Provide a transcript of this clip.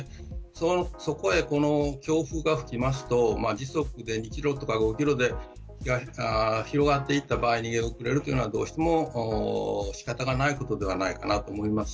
そこへ強風が吹きますと時速２キロとか５キロで広がっていた場合逃げ遅れるというのはどうしても仕方がないことではないかなと思います。